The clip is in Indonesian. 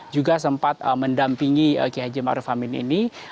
juga sempat mendampingi kihaji marufamin ini